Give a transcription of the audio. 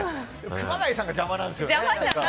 熊谷さんが邪魔なんですよね。